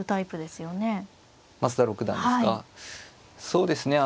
そうですね。